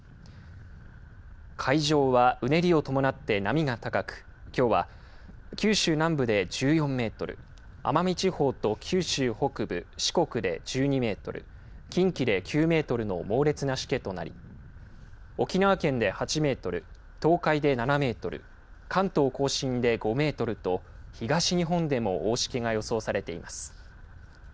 海上はうねりを伴って波が高く、きょうは九州南部で１４メートル、奄美地方と九州北部、四国で１２メートル、近畿で９メートルの猛烈なしけとなり、沖縄県で８メートル、東海で７メートル、関東甲信で５メートルと、東日本でも大しけが予想されています。